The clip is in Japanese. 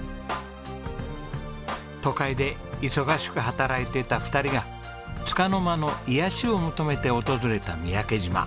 都会で忙しく働いていた２人がつかの間の癒やしを求めて訪れた三宅島。